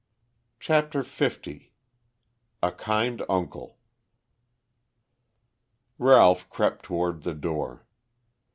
CHAPTER L A KIND UNCLE Ralph crept toward the door.